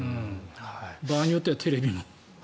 場合によってはテレビも。